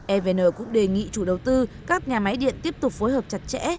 evn cũng đề nghị chủ đầu tư các nhà máy điện tiếp tục phối hợp chặt chẽ